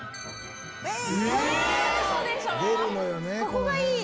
ここがいい！